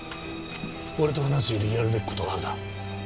俺と話すよりやるべき事があるだろう？